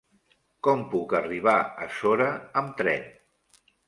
Com puc arribar a Sora amb tren?